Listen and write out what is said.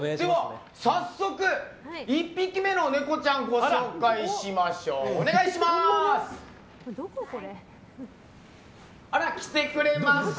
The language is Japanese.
早速、１匹目のネコちゃんご紹介しましょう。来てくれました！